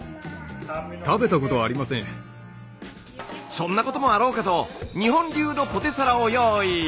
そんなこともあろうかと日本流のポテサラを用意。